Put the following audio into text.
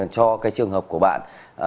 cho cái trường hợp của bạn